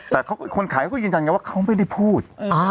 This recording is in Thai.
ใช่แต่คนขายเขายังแจงกันว่าเขาไม่ได้พูด